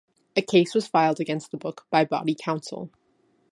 A case was filed against the book by Badi council.